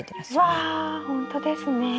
うわほんとですね。